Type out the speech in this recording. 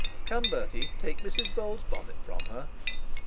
Come, Bertie, take Mrs Bold's bonnet from her.'